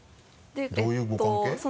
どういうご関係？